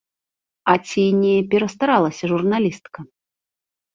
Але ці не перастаралася журналістка?